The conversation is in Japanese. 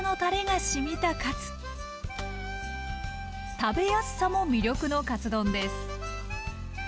食べやすさも魅力のカツ丼です。